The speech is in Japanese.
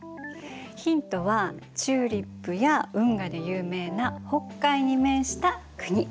ヒントはチューリップや運河で有名な北海に面した国。